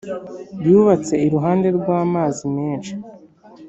Yubatse iruhande rw ‘amazi menshi.